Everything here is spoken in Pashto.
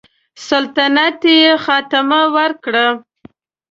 سلطنت ته یې خاتمه ورکړه.